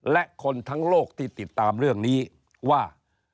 และคนทั้งโลกที่ติดตามเรื่องนี้ว่า